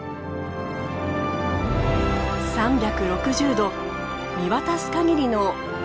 ３６０度見渡す限りの大平原です。